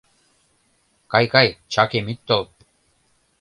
Кай, кай, чакем ит тол.